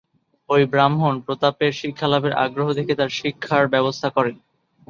ওই ব্রাহ্মণ প্রতাপের শিক্ষালাভের আগ্রহ দেখে তার শিক্ষার ব্যবস্থা করেন।